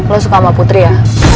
lo suka sama putri ya